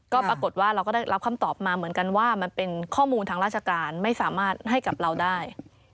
ก็ปรากฏเราก็ได้เลิกคำตอบก็คือค่อนข้อมูลทางราชการไม่สามารถให้กับเราได้